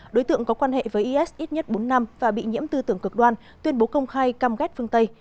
đối tượng có quan hệ với is ít nhất bốn năm và bị nhiễm tư tưởng cực đoan tuyên bố công khai cam ghét phương tây